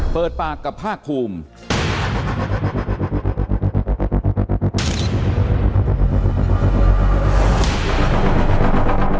เปิดปากกับภาคภูมิ